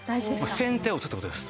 先手を打つって事です。